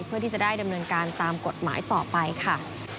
เพื่อที่จะได้ดำเนินการตามกฎหมายต่อไปค่ะ